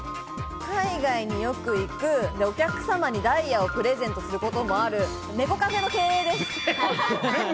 海外によく行く、お客様にダイヤをプレゼントすることもある、猫カフェの経営です。